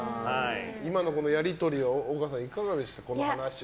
今のやりとりは丘さん、いかがでしたか。